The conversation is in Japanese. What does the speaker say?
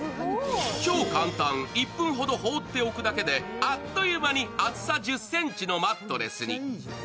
超簡単、１分ほど放っておくだけであっという間に厚さ１０ｃｍのマットレスに。